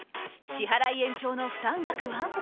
支払延長の負担額は？